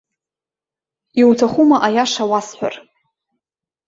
Иуҭахума аиаша уасҳәар?